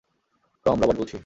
Tom, Robert বলছি।